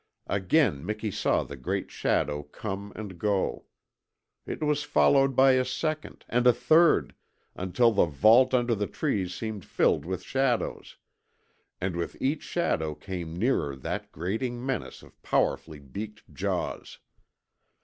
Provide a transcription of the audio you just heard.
Again Miki saw the great shadow come and go. It was followed by a second, and a third, until the vault under the trees seemed filled with shadows; and with each shadow came nearer that grating menace of powerfully beaked jaws.